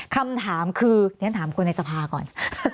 คำถามคือเรียนถามคนในสภาก่อน